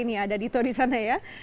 ini ada dito di sana ya